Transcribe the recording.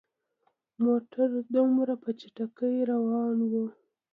موټر دومره په چټکۍ روان وو.